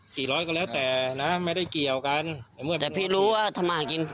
ร้อยก็แล้วแต่นะไม่ได้เกี่ยวกันผมก็แต่พี่รู้ว่าทำมาหากิน